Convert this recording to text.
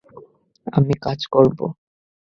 আমি কাজ করব।